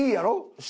下。